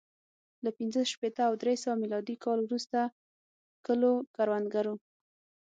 له پنځه شپېته او درې سوه میلادي کال وروسته کلو کروندګرو